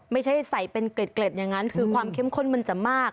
ไม่ใช่ใส่เป็นเกร็ดอย่างนั้นคือความเข้มข้นมันจะมาก